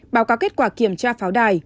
báo cáo kết quả kiểm tra pháo đài